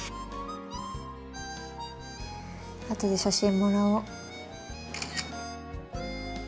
後で写真もらおう。